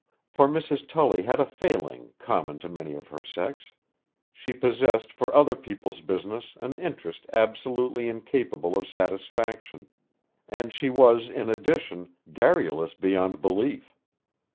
For Mrs. Tully had a failing common to many of her sex: she possessed for other people's business an interest absolutely incapable of satisfaction and she was, in addition, garrulous beyond belief.